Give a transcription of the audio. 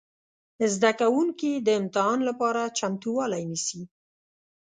زده کوونکي د امتحان لپاره چمتووالی نیسي.